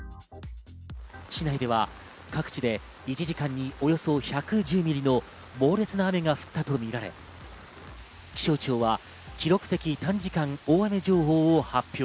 市内では各地で１時間におよそ１１０ミリの猛烈な雨が降ったとみられ、気象庁は記録的短時間大雨情報を発表。